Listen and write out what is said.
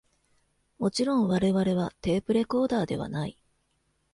もちろん我々はテープレコーダーではない